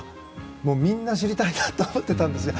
みんな、知りたいなと思っていたんですね。